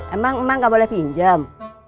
emang emang gak boleh pinjam